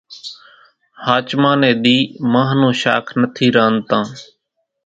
ۿاچمان ني ۮي مانۿ نون شاک نٿي رانڌتان